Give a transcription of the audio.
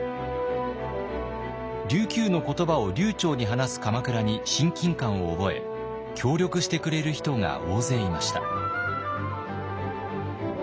琉球の言葉を流ちょうに話す鎌倉に親近感を覚え協力してくれる人が大勢いました。